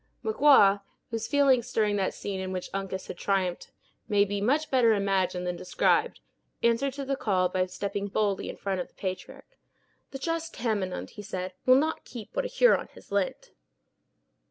Magua, whose feelings during that scene in which Uncas had triumphed may be much better imagined than described, answered to the call by stepping boldly in front of the patriarch. "The just Tamenund," he said, "will not keep what a Huron has lent."